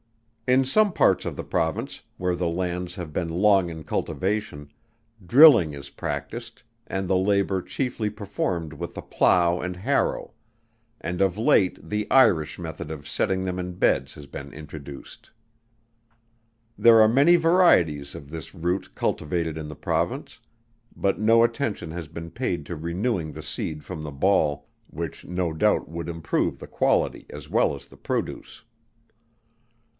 In some parts of the Province, where the lands have been long in cultivation, drilling is practised, and the labour chiefly performed with the plough and harrow; and of late the Irish method of setting them in beds has been introduced. There are many varieties of this root cultivated in the Province; but no attention has been paid to renewing the seed from the ball, which no doubt would improve the quality as well as the produce.